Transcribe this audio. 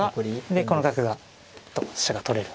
でこの角が飛車が取れる。